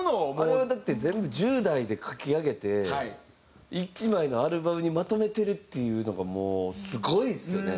あれをだって全部１０代で書き上げて１枚のアルバムにまとめてるっていうのがもうすごいですよね。